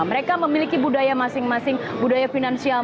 mereka memiliki budaya masing masing budaya finansial